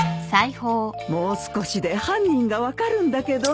もう少しで犯人が分かるんだけど